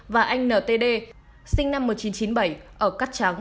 và anh n t d sinh năm một nghìn chín trăm chín mươi bảy ở cát tràng